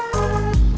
tete aku mau